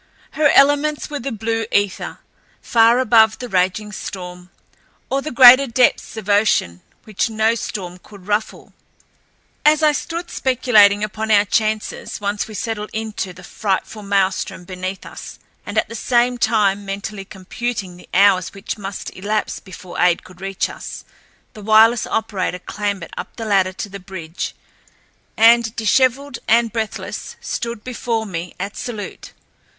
Her elements were the blue ether, far above the raging storm, or the greater depths of ocean, which no storm could ruffle. As I stood speculating upon our chances once we settled into the frightful Maelstrom beneath us and at the same time mentally computing the hours which must elapse before aid could reach us, the wireless operator clambered up the ladder to the bridge, and, disheveled and breathless, stood before me at salute.